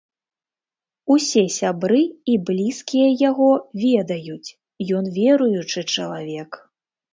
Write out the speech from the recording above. Усе сябры і блізкія яго ведаюць, ён веруючы чалавек.